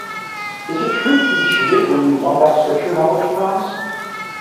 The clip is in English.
Is it true that you cheated when you won that Scripture-knowledge prize?